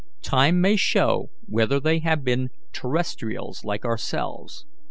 Time may show whether they have been terrestrials like ourselves.